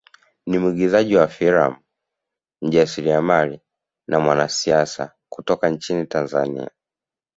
Ni mwigizaji wa filamu mjasiriamali na mwanasiasa kutoka nchini Tanzania